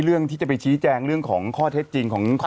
เรื่องที่จะไปชี้แจงเรื่องของข้อเท็จจริงของ